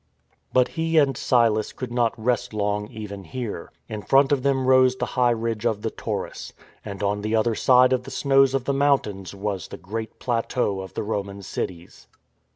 But he and Silas could not rest long even here. In front of them rose the high ridge of the Taurus. 170 THE FORWARD TREAD And on the other side of the snows of the mountains was the great plateau of the Roman cities.